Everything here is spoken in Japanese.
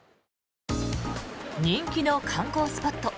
人気の観光スポット